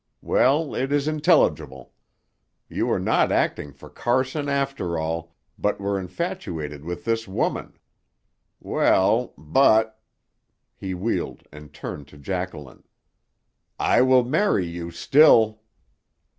Well, it is intelligible. You were not acting for Carson after all, but were infatuated with this woman. Well but " He wheeled and turned to Jacqueline. "I will marry you still!"